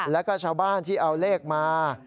แล้วก็ชาวบ้านที่เอาเลขมา